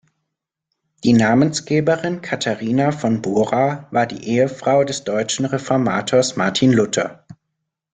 Die Namensgeberin Katharina von Bora war die Ehefrau des deutschen Reformators Martin Luther.